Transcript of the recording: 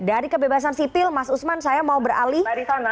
dari kebebasan sipil mas usman saya mau beralih